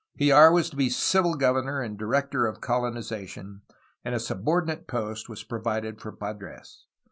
Hljar was to be civil governor and director of colonization, and a subor dinate post was provided for Padres.